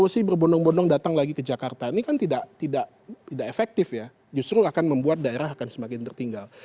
kalau datang lagi ke jakarta ini kan tidak efektif ya justru akan membuat daerah akan semakin tertinggal